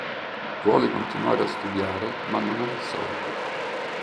Vuole continuare a studiare, ma non ha i soldi.